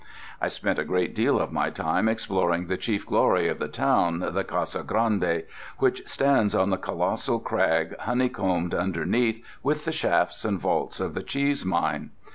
I spent a great deal of my time exploring the chief glory of the town, the Casa Grande, which stands on the colossal crag honeycombed underneath with the shafts and vaults of the cheese mine.